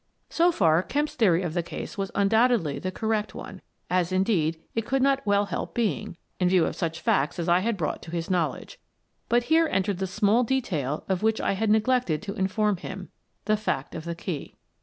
So far, Kemp's theory of the case was un doubtedly the correct one — as, indeed, it could not well help being, in view of such facts as I had brought to his knowledge. But here entered the small detail of which I had neglected to inform him: the fact of the key.